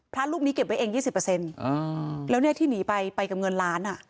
พระรูปนี้เก็บไว้เองยี่สิบเปอร์เซ็นต์อ๋อแล้วเนี้ยที่หนีไปไปกับเงินล้านอ่ะ